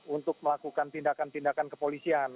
untuk melakukan tindakan tindakan kepolisian